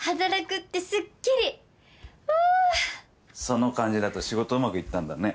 その感じだと仕事うまくいったんだね。